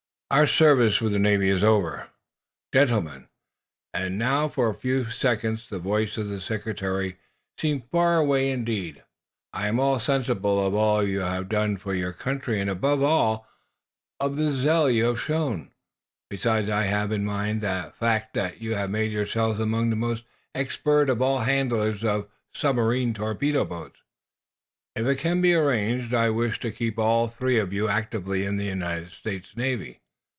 "Our service with the Navy is over." "Gentlemen," and now, for a few seconds, the voice of the Secretary seemed far away indeed, "I am sensible of all you have done for your country, and above all, of the zeal you have shown. Besides, I have in mind the fact that you have made yourselves among the most expert of all handlers of submarine torpedo boats. If it can be arranged, I wish to keep all three of you actively in the United States Navy."